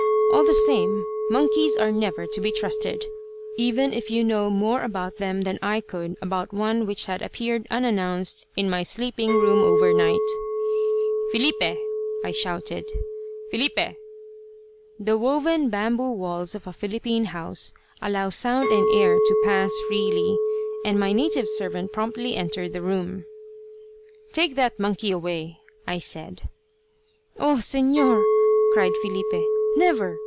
All the same, monkeys are never to be trusted, even if you know more about them than I could about one which had appeared unannounced in my sleeping room over night. "Filipe!" I shouted, "Filipe!" The woven bamboo walls of a Philippine house allow sound and air to pass freely, and my native servant promptly entered the room. "Take that monkey away," I said. "Oh Señor," cried Filipe. "Never!